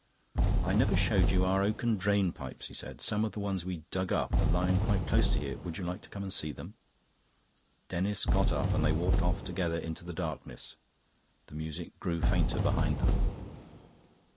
"I never showed you our oaken drainpipes," he said. "Some of the ones we dug up are lying quite close to here. Would you like to come and see them?" Denis got up, and they walked off together into the darkness. The music grew fainter behind them.